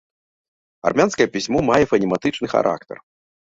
Армянскае пісьмо мае фанематычны характар.